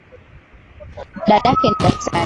Dadake ni Daktari.